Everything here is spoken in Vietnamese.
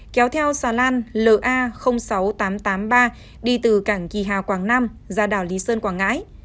kéo theo xà lan la sáu nghìn tám trăm tám mươi ba đi từ cảng kỳ hà quảng nam ra đảo lý sơn quảng ngãi